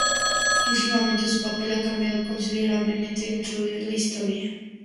Últimamente su papel ha cambiado considerablemente dentro de la historia.